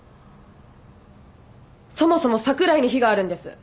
そもそも櫻井に非があるんです。